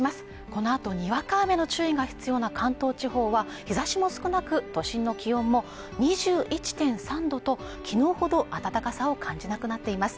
このあとにわか雨の注意が必要な関東地方は日差しも少なく都心の気温も２１．３度ときのうほど暖かさを感じなくなっています